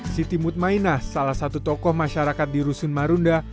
siti mutmainah salah satu tokoh masyarakat di rusun marunda